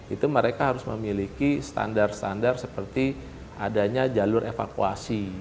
itu mereka harus memiliki standar standar seperti adanya jalur evakuasi